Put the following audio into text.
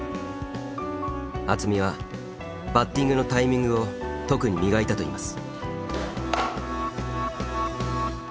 渥美はバッティングのタイミングを特に磨いたといいます。